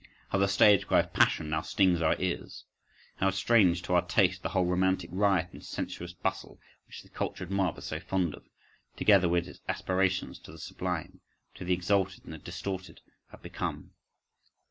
How the stage cry of passion now stings our ears; how strange to our taste the whole romantic riot and sensuous bustle, which the cultured mob are so fond of, together with its aspirations to the sublime, to the exalted and the distorted, have become.